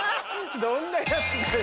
どんなヤツだよ。